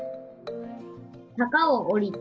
坂を下りて。